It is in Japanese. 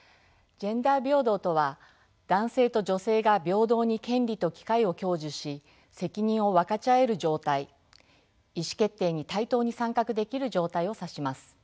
ジェンダー平等とは男性と女性が平等に権利と機会を享受し責任を分かち合える状態意思決定に対等に参画できる状態を指します。